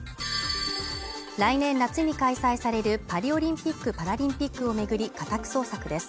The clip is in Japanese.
来年夏に開催されるパリオリンピック・パラリンピックを巡り家宅捜索です。